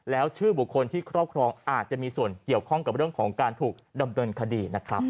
แล้วชื่อบุคคลที่ครอบครองอาจจะมีส่วนเกี่ยวข้องกับเรื่องของการถูกดำเนินคดีนะครับ